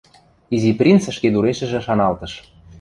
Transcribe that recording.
— Изи принц ӹшкедурешӹжӹ шаналтыш.